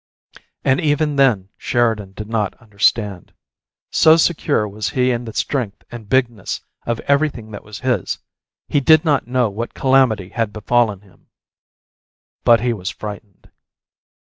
And even then Sheridan did not understand. So secure was he in the strength and bigness of everything that was his, he did not know what calamity had befallen him. But he was frightened.